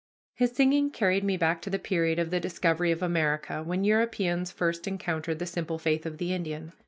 His singing carried me back to the period of the discovery of America, when Europeans first encountered the simple faith of the Indian.